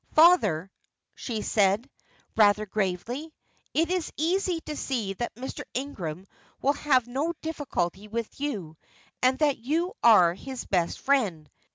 "Father," she said, rather gravely, "it is easy to see that Mr. Ingram will have no difficulty with you, and that you are his best friend.